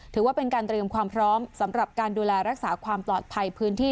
ถือว่าเป็นการเตรียมความพร้อมสำหรับการดูแลรักษาความปลอดภัยพื้นที่